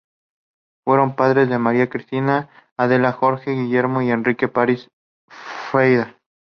Fueron padres de María Cristina, Adela, Jorge, Guillermo y Enrique París Frade.